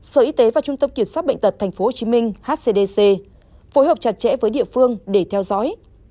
sở y tế và trung tâm kiểm soát bệnh tật tp hcm hcdc phối hợp chặt chẽ với địa phương để theo dõi